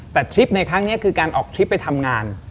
แต่ทริปในครั้งนี้คือการออกทริปไปทำงาน